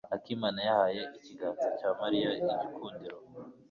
Akimana yahaye ikiganza cya Mariya igikundiro.